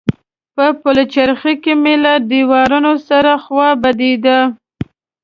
په پلچرخي کې مې له ډریورانو سره خوا بدېده.